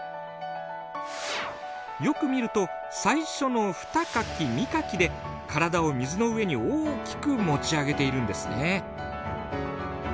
よく見ると最初の２かき３かきで体を水の上に大きく持ち上げているんですね。